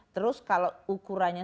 terus kalau ukurannya